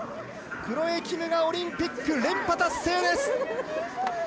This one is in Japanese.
クロエ・キムがオリンピック連覇達成です。